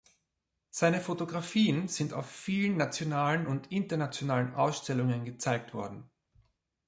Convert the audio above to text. Seine Fotografien sind auf vielen nationalen und internationalen Ausstellungen gezeigt worden.